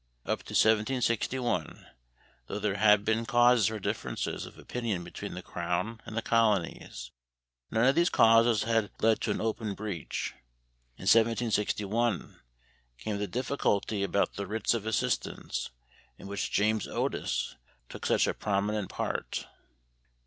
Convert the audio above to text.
Up to 1761, though there had been causes for differences of opinion between the Crown and the colonies, none of these causes had led to an open breach. In 1761 came the difficulty about the Writs of Assistance in which James Otis took such a prominent part.